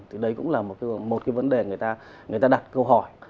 thì đấy cũng là một vấn đề người ta đặt câu hỏi